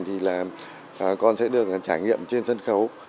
thì con sẽ được trải nghiệm trên sân khấu